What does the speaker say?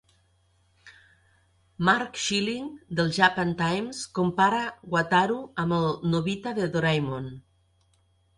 Mark Schilling, del 'Japan Times', compara Wataru amb el Nobita de 'Doraemon'.